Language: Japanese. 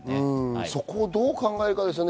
そこをどう考えるかですよね？